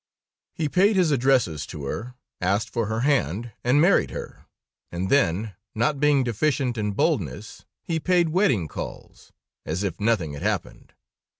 ] "He paid his addresses to her, asked for her hand, and married her, and then, not being deficient in boldness, he paid wedding calls, as if nothing had happened.